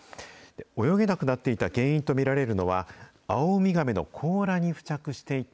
泳げなくなっていた原因と見られるのは、アオウミガメの甲羅に付着していた